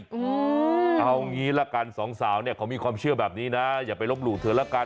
เอางี้ละกันสองสาวเนี่ยเขามีความเชื่อแบบนี้นะอย่าไปลบหลู่เธอละกัน